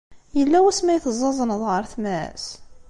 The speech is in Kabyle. Yella wasmi ay teẓẓaẓneḍ ɣer tmes?